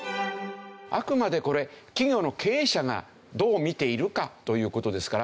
あくまでこれ企業の経営者がどう見ているかという事ですから。